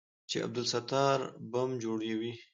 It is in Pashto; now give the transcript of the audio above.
چې عبدالستار بم جوړوي.